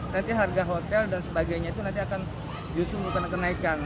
nanti harga hotel dan sebagainya itu nanti akan justru menggunakan kenaikan